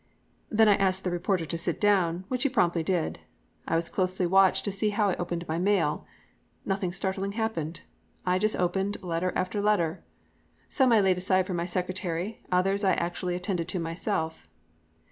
Then I asked the reporter to "sit down," which he promptly did. I was closely watched to see how I opened my mail. Nothing startling happened. I just opened "letter after letter." Some I laid aside for my secretary, others I actually attended to myself.